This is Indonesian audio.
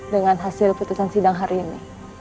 dengan hasil putusan sidang hari ini